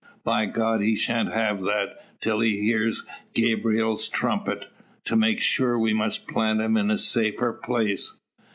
By God! he shan't have that, till he hears Gabriel's trumpet. To make sure we must plant him in a safer place."